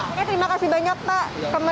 oke terima kasih banyak pak